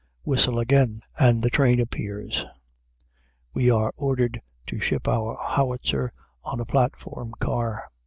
Whistle, again! and the train appears. We are ordered to ship our howitzer on a platform car.